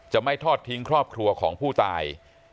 ไม่ทอดทิ้งครอบครัวของผู้ตาย